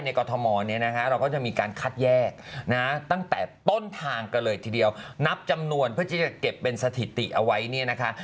กรทมเนี่ยนะคะเราก็จะมีการคัดแยกนะตั้งแต่ต้นทางกันเลยทีเดียวนับจำนวนเพื่อที่จะเก็บเป็นสถิติเอาไว้เนี่ยนะคะ